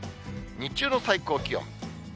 日中の最高気温。